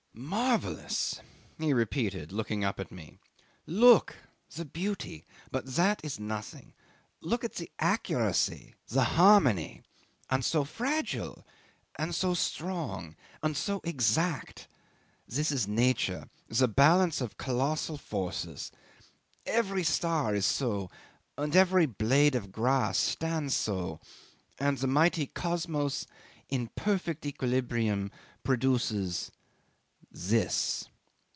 '"Marvellous!" he repeated, looking up at me. "Look! The beauty but that is nothing look at the accuracy, the harmony. And so fragile! And so strong! And so exact! This is Nature the balance of colossal forces. Every star is so and every blade of grass stands so and the mighty Kosmos ib perfect equilibrium produces this.